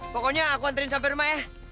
pokoknya aku nganterin sampai rumah ya oke